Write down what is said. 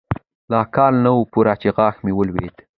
لا کال نه و پوره چې غاښ مې ولوېد.